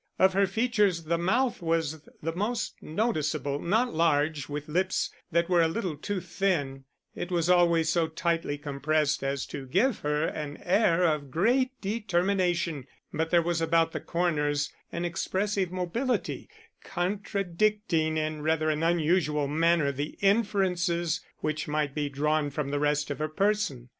Of her features the mouth was the most noticeable, not large, with lips that were a little too thin; it was always so tightly compressed as to give her an air of great determination, but there was about the corners an expressive mobility, contradicting in rather an unusual manner the inferences which might be drawn from the rest of her person.